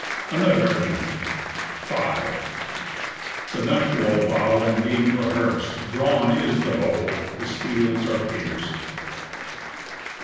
ANOTHER ARGUMENT Φι̑. The nuptial vow And game rehears'd, Drawn is the bow, The steels are pierc'd.